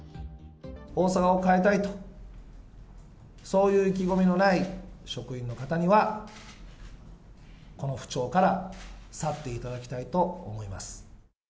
大阪を変えたい、そういう意気込みのない職員の方には、この府庁から去っていただきたいと思います。